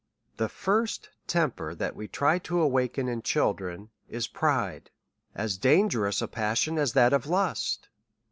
The first temper that we try to awaken in children, is pride ; as dangerous a passion as that of lust.